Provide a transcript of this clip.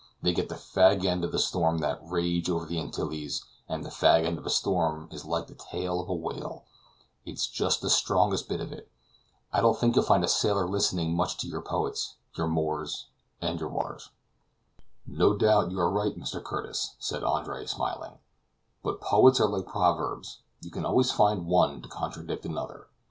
They get the fag end of the storms that rage over the Antilles; and the fag end of a storm is like the tail of a whale; it's just the strongest bit of it. I don't think you'll find a sailor listening much to your poets your Moores, and your Wallers." "No doubt you are right, Mr. Curtis," said Andre, smiling, "but poets are like proverbs; you can always find one to contradict another.